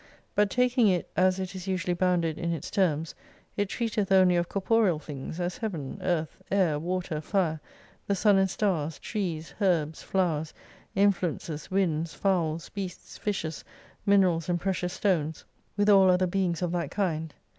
But taking it as it is usually bounded in its terms, it treateth only of corporeal things, as Heaven, Earth, Air, "Water, Fire, the Sun and Stars, Trees, Herbs, Flowers, Influences, Winds, Fowls, Beasts, Fishes, Minerals, and Precious Stones, with all other beings of that kind.